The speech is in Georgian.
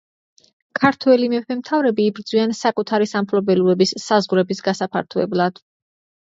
ქართველი მეფე-მთავრები იბრძვიან საკუთარი სამფლობელოების საზღვრების გასაფართოებლად.